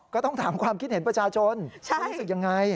ก็ต้องถามความคิดเห็นประชาชนว่ารู้สึกยังไง